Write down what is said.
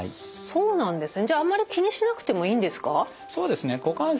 そうなんですね。